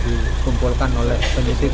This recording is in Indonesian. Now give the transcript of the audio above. dikumpulkan oleh penduduk